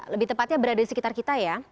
lebih tepatnya berada di sekitar kita ya